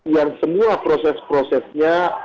yang semua proses prosesnya